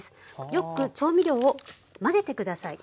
よく調味料を混ぜて下さい。